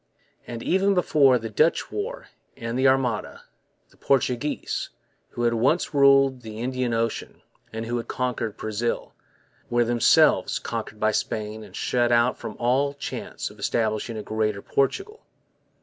And, even before the Dutch War and the Armada, the Portuguese, who had once ruled the Indian Ocean and who had conquered Brazil, were themselves conquered by Spain and shut out from all chance of establishing a Greater Portugal.